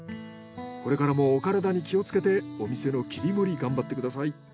これからもお体に気をつけてお店の切り盛り頑張ってください。